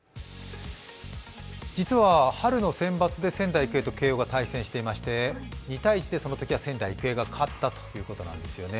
実は春の選抜で仙台育英と慶応が対戦していまして２−１で、そのときは仙台育英が勝ったということなんですよね。